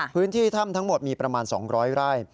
พื้นที่ถ้ำทั้งหมดมีประมาณ๒๐๐ไร่